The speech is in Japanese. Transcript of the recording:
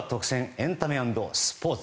エンタメ＆スポーツ。